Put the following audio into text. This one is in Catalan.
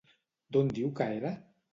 D'on diu que era?